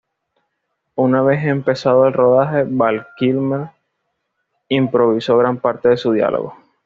Una vez empezado el rodaje, Val Kilmer improvisó gran parte de su diálogo.